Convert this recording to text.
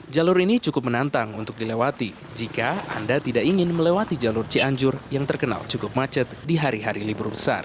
jalur ini cukup menantang untuk dilewati jika anda tidak ingin melewati jalur cianjur yang terkenal cukup macet di hari hari libur besar